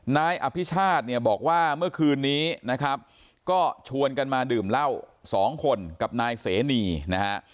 นายอภิชาติเนี่ยบอกว่าเมื่อคืนนี้นะครับก็ชวนกันมาดื่มเหล้าสองคนกับนายเสนีนะฮะ